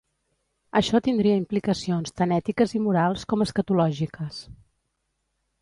Això tindria implicacions tant ètiques i morals com escatològiques.